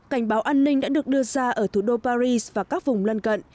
cảnh báo an ninh đã được đưa ra ở thủ đô paris và các vùng lân cận